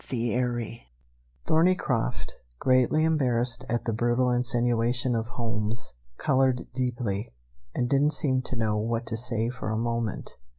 CHAPTER X Thorneycroft, greatly embarrassed at the brutal insinuation of Holmes, colored deeply, and didn't seem to know what to say for a moment.